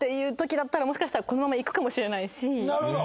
なるほど。